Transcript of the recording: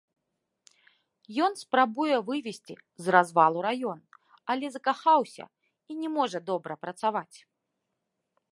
Ён спрабуе вывесці з развалу раён, але закахаўся і не можа добра працаваць.